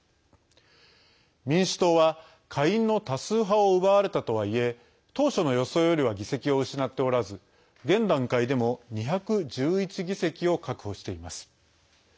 民主党は下院の多数派を奪われたとはいえ当初の予想よりは議席を失っておらず現段階でも２１１議席を確保しています。